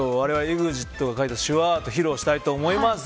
われわれＥＸＩＴが描いた手話アート披露したいと思います。